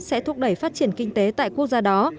sẽ thúc đẩy phát triển kinh tế tại quốc gia đó